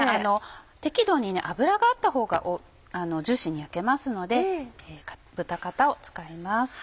適度に脂があったほうがジューシーに焼けますので豚肩を使います。